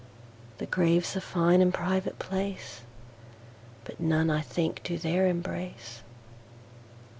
The Grave's a fine and private place, But none I think do there embrace.